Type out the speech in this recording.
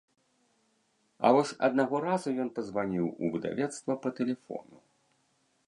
А вось аднаго разу ён пазваніў у выдавецтва па тэлефону.